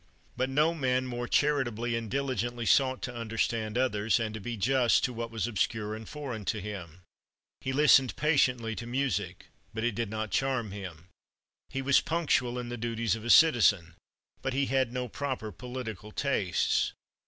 But no man more charitably and diligently sought to understand others, and to be just to what was obscure and foreign to him. He listened patiently to music. But it did not charm him. He was punctual in the duties of a citizen. But he had no proper political tastes.